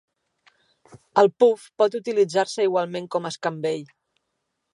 El puf pot utilitzar-se igualment com escambell.